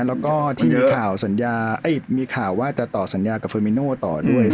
แล้วก็ที่มีข่าวสัญญามีข่าวว่าจะต่อสัญญากับเฟอร์มิโน่ต่อด้วย